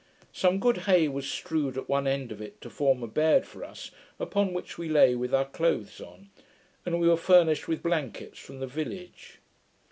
Some good hay was strewed at one end of it, to form a bed for us, upon which we lay with our clothes on; and we were furnished with blankets from the village.